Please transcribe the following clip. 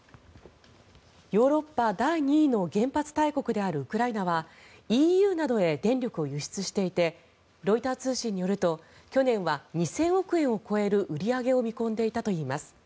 ヨーロッパ第２位の原発大国であるウクライナはＥＵなどへ電力を輸出していてロイター通信によると去年は２０００億円を超える売り上げを見込んでいたといいます。